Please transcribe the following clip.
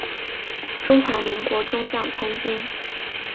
中华民国中将参军。